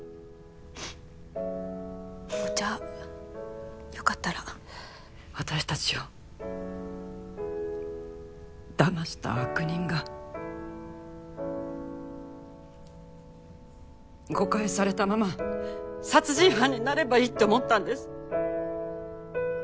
お茶よかったら私達をだました悪人が誤解されたまま殺人犯になればいいって思ったんです